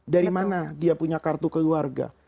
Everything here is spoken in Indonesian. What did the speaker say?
dari mana dia punya kartu keluarga